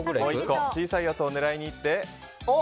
小さいやつを狙いに行って。